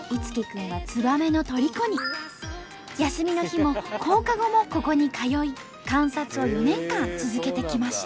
休みの日も放課後もここに通い観察を２年間続けてきました。